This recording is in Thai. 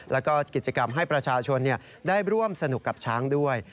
แล้วก็กิจกรรมให้ประชาชนได้ร่วมสนุกกับช้างด้วย